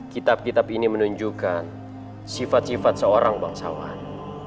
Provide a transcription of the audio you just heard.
kitab kitab ini menunjukkan sifat sifat seorang bangsawan